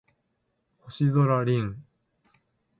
星空凛